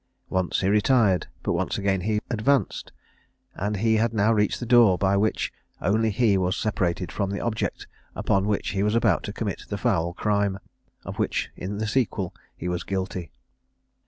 Once he retired, but once again he advanced, and he had now reached the door, by which only he was separated from the object upon which he was about to commit the foul crime, of which in the sequel he was guilty.